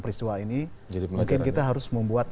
peristiwa ini mungkin kita harus membuat